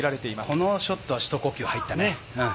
このショットはひと呼吸入ったね。